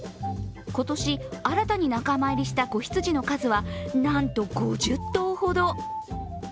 今年新たに仲間入りした子羊の数はなんと５０頭ほど。